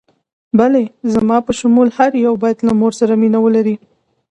بلې، زما په شمول هر یو باید له مور سره مینه ولري.